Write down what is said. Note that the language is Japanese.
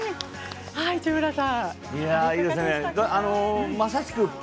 市村さん。